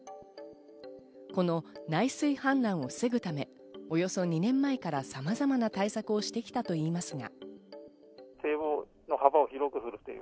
この内水氾濫を防ぐため、およそ２年前からさまざまな対策をしてきたといいますが。